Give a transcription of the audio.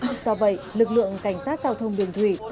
do vậy lực lượng cảnh sát giao thông đường thủy